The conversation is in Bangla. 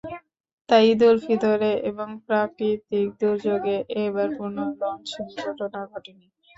তাই ঈদুল ফিতরে এবং প্রাকৃতিক দুর্যোগে এবার কোনো লঞ্চ দুর্ঘটনা ঘটেনি।